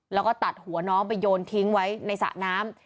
แล้วก็ตัดหัวน้องไปโยนทิ้งไว้ในสระน้ำ